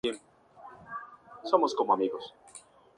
Ese mismo año conquista el título de Liga por cuarta vez en su carrera.